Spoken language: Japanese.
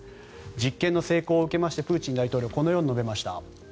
実験の成功を受けましてプーチン大統領はこのように述べました。